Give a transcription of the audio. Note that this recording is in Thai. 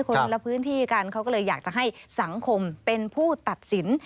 คนละพื้นที่กันเขาก็เลยอยากจะให้สังคมเป็นผู้ตัดสิน